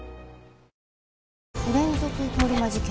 不連続通り魔事件？